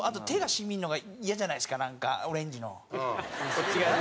こっち側ね。